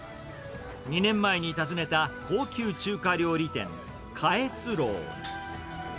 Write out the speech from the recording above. ２年前に訪ねた高級中華料理店、かえつ楼。